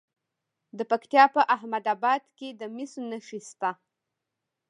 د پکتیا په احمد اباد کې د مسو نښې شته.